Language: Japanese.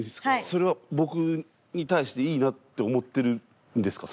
それは僕に対して「いいな」って思ってるんですか？